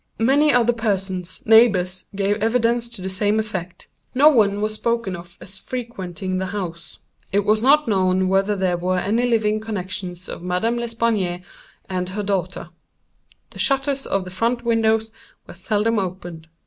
"Many other persons, neighbors, gave evidence to the same effect. No one was spoken of as frequenting the house. It was not known whether there were any living connexions of Madame L. and her daughter. The shutters of the front windows were seldom opened.